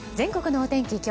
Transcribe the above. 全国のお天気